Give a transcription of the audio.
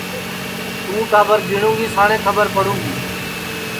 توں ٹاٻر جیٹؔوں گی ساٹی کھٻر پڑوں گی